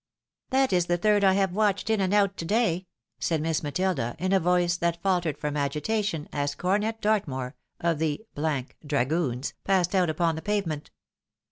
"That is the third I have watched in and out to day!" said Miss Matilda, in a voice that faltered from agitation, as Cornet Dartmore, of the dragoons, passed out upon the pavement.